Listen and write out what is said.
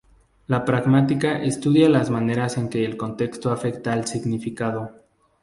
La pragmática estudia las maneras en que el contexto afecta al significado.